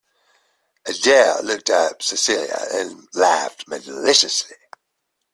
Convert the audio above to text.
Adele looked up at Celia, and laughed maliciously.